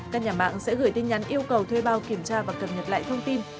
các nhà mạng sẽ gửi tin nhắn yêu cầu thuê bao kiểm tra và cập nhật lại thông tin